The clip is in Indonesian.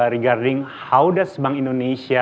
keuntungan msme di indonesia